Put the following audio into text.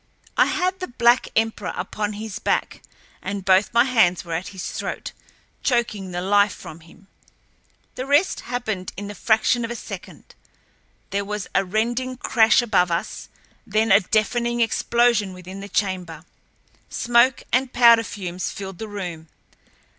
I had the black emperor upon his back, and both my hands were at his throat, choking the life from him. The rest happened in the fraction of a second. There was a rending crash above us, then a deafening explosion within the chamber. Smoke and powder fumes filled the room.